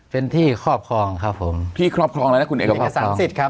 เป็นที่ครอบครองครับผมที่ครอบครองแล้วนะคุณเอกพบสังสิทธิ์ครับ